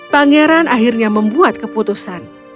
pangeran akhirnya membuat keputusan